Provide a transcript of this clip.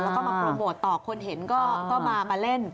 แล้วก็มาโปรโมทต่อคนเห็นก็มาเล่น